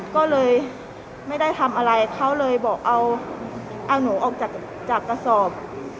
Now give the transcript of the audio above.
ก็เลยไม่ได้ทำอะไรเขาเลยบอกเอาหนูออกจากกระสอบ